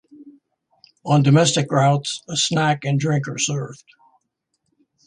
On domestic routes, a snack and drink are served.